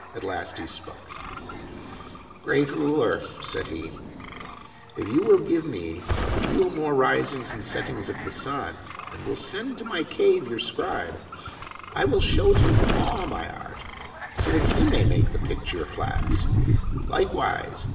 At last he spoke :" Great ruler," said he, " if you will oqve me a few more risings J O O and settings of the sun, and will send to my cave your scribe, I will show to him all my art, so that he may make the picture flats, likewise.